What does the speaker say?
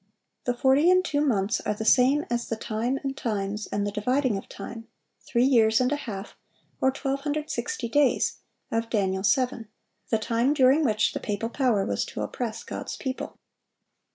The forty and two months are the same as the "time and times and the dividing of time," three years and a half, or 1260 days, of Daniel 7,—the time during which the papal power was to oppress God's people.